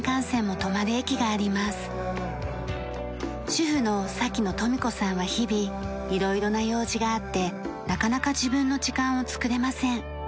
主婦の野富美子さんは日々いろいろな用事があってなかなか自分の時間を作れません。